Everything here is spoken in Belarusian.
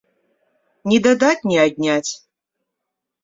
Ні дадаць, ні адняць.